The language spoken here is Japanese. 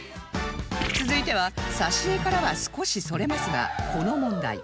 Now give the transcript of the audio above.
続いては挿絵からは少しそれますがこの問題